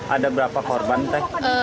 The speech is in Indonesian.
ada berapa korban teh